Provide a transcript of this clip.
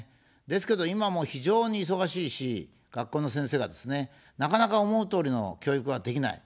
ですけど今、もう非常に忙しいし、学校の先生がですね、なかなか思うとおりの教育ができない。